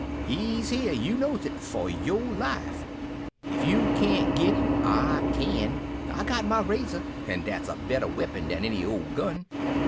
He's here, you knows it, for your life. Ef you cain't git him, I can. I got mah razor an' dat's a better weepon dan any ole gun.